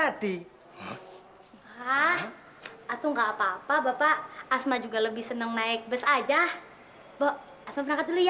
habis itu enggak apa apa bapak asma juga lebih senang naik bus aja bok asma berangkat dulu ya